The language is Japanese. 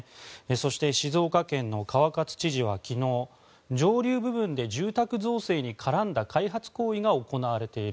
そして静岡県の川勝知事は、昨日上流部分で住宅造成に絡んだ開発行為が行われている。